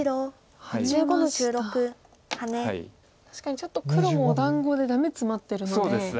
確かにちょっと黒もお団子でダメツマってるので。